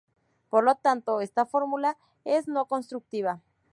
Por lo tanto, esta fórmula es no-constructiva.